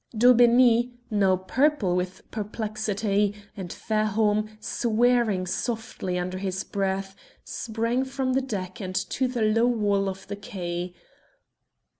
Daubeney, now purple with perplexity, and Fairholme, swearing softly under his breath, sprang from the deck to the low wall of the quay.